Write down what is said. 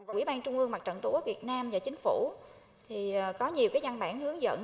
quỹ ban trung ương mặt trận tổ quốc việt nam và chính phủ có nhiều văn bản hướng dẫn